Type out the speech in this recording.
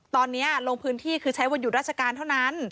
ตอนนี้ลงพื้นที่คือใช้วันหยุดราชการเท่านั้น